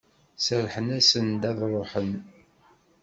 Serrḥen-asen-d ad d-ruḥen?